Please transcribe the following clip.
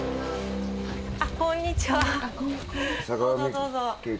あっこんにちは。